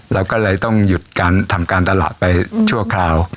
เราก็เลยต้องหยุดการทำการตลาดไปชั่วคราว